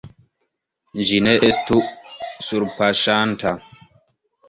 Ĝi ne estu surpaŝanta.